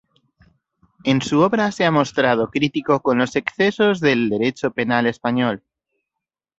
En su obra se ha mostrado crítico con los excesos del Derecho penal español.